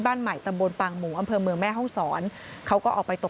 บ้านใหม่ตำบลปางหมูอำเภอเมืองแม่ห้องศรเขาก็ออกไปตก